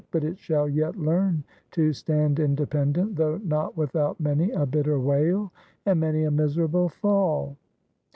But it shall yet learn to stand independent, though not without many a bitter wail, and many a miserable fall.